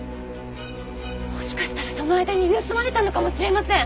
もしかしたらその間に盗まれたのかもしれません！